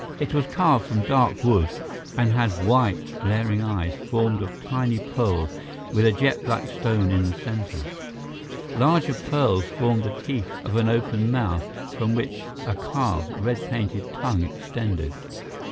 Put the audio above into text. It was carved from a dark wood and had white, glaring eyes formed of tiny pearls with a jet black stone in the center. Larger pearls formed the teeth of an open mouth, from which a carved, red painted tongue extended.